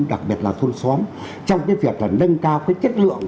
đặc biệt là thôn xóm trong cái việc là nâng cao cái chất lượng